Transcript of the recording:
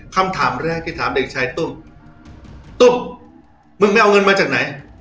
คำถามแรกที่ถามเด็กชายตุ้มตุ้มมึงไปเอาเงินมาจากไหน